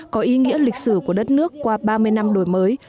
có ý nghĩa lịch sử của đất nước qua ba mươi năm đổi mới